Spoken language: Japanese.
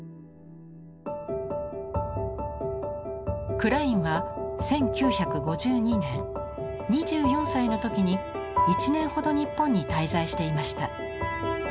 クラインは１９５２年２４歳の時に１年ほど日本に滞在していました。